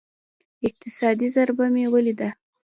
اقتصادي ضربه مې وليده.